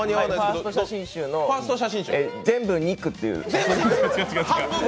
ファースト写真集の「全部肉」っていう。